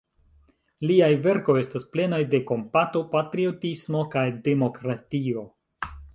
Liaj verkoj estas plenaj de kompato, patriotismo kaj demokratio.